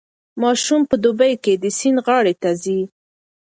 ماشومان په دوبي کې د سیند غاړې ته ځي.